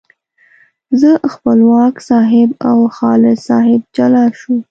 زه، خپلواک صاحب او خالد صاحب جلا شوو.